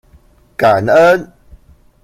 感恩！